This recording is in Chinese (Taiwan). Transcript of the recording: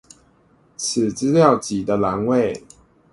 此資料集的欄位